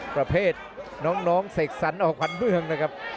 ประเภทน้องเสกสรรออกขวัญเมืองนะครับ